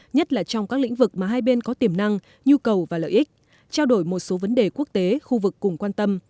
nhất là trong các lĩnh vực mà hai bên có tiềm năng nhu cầu và lợi ích trao đổi một số vấn đề quốc tế khu vực cùng quan tâm